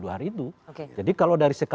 tujuh puluh hari itu